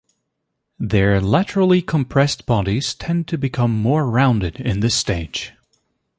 Their laterally compressed bodies tend to become more rounded in this stage.